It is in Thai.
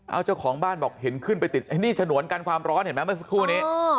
เอาเจ้าของบ้านบอกเห็นขึ้นไปติดไอ้นี่ฉนวนกันความร้อนเห็นไหมเมื่อสักครู่นี้